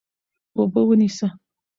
اوبه ونیسه.